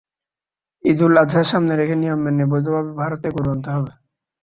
ঈদুল আজহা সামনে রেখে নিয়ম মেনে বৈধভাবে ভারত থেকে গরু আনতে হবে।